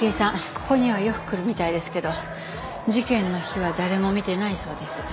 ここにはよく来るみたいですけど事件の日は誰も見てないそうです。